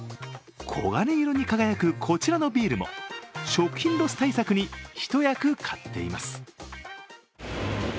黄金色に輝くこちらのビールも、食品ロス対策に一役買っています。